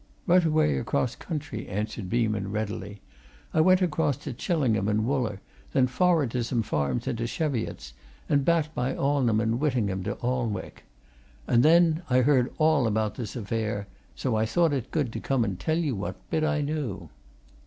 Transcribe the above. "Right away across country," answered Beeman readily. "I went across to Chillingham and Wooler, then forrard to some farms i' t' Cheviots, and back by Alnham and Whittingham to Alnwick. And then I heard all about this affair, and so I thought good to come and tell you what bit I knew."